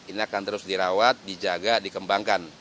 ini akan terus dirawat dijaga dikembangkan